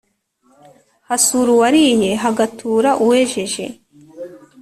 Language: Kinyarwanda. Hasura uwariye. Hagatura uwejeje